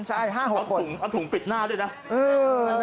ใช่๕๖ถุงเอาถุงปิดหน้าด้วยนะ